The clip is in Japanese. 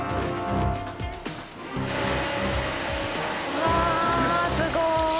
うわあすごい！